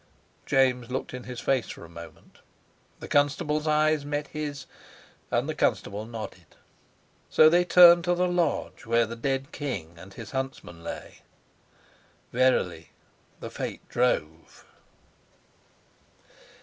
James looked in his face for a moment. The constable's eyes met his; and the constable nodded. So they turned to the lodge where the dead king and his huntsman lay. Verily the fate drove.